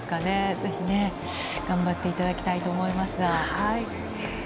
ぜひね、頑張っていただきたいと思いますが。